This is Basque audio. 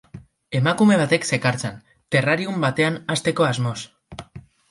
Emakume batek zekartzan, terrarium batean hazteko asmoz.